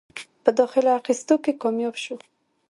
پۀ داخله اخستو کښې کامياب شو ۔